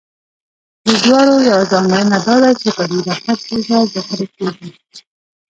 د جوارو یوه ځانګړنه دا ده چې په ډېره ښه توګه ذخیره کېږي